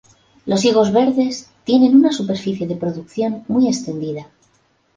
Los higos verdes tienen una superficie de producción muy extendida.